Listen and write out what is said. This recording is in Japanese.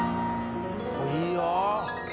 いいよ。